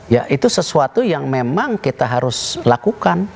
ya itu sesuatu yang memang kita harus lakukan